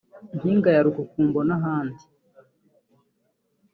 Mpinga ya Rukukumbo n’ahandi